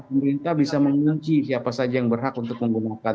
pemerintah bisa mengunci siapa saja yang berhak untuk menggunakan